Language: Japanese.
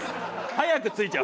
早く着いちゃう。